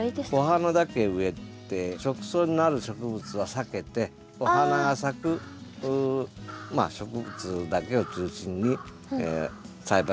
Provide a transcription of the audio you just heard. お花だけ植えて食草になる植物は避けてお花が咲く植物だけを中心に栽培された方がいいですね。